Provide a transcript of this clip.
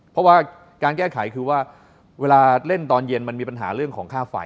เพราะว่าการแก้ไขคือว่าเวลาเล่นตอนเย็นมันมีปัญหาเรื่องของค่าไฟ